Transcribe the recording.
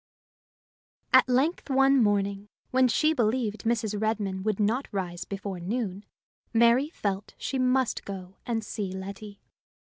At length one morning, when she believed Mrs. Redmain would not rise before noon, Mary felt she must go and see Letty.